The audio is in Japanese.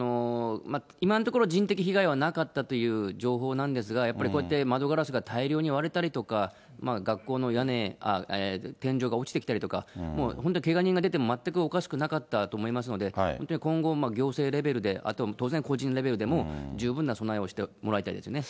今のところ、人的被害はなかったという情報なんですが、やっぱりこうやって窓ガラスが大量に割れたりとか、学校の天井が落ちてきたりとか、本当、けが人が出ても全くおかしくなかったと思いますので、本当に今後、行政レベルで、あと当然、個人レベルでも十分な備えをしてもらいたいですね。